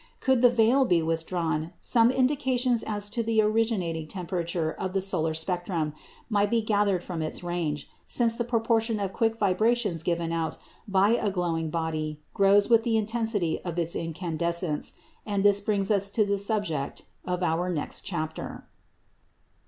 Could the veil be withdrawn, some indications as to the originating temperature of the solar spectrum might be gathered from its range, since the proportion of quick vibrations given out by a glowing body grows with the intensity of its incandescence. And this brings us to the subject of our next Chapter.